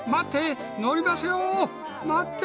待って！